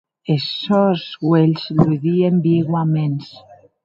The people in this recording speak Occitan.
Es sòns uelhs ludien viuaments.